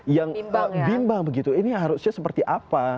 yang bimbang begitu ini harusnya seperti apa